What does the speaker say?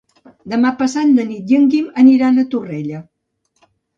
Demà passat na Nit i en Guim aniran a Torrella.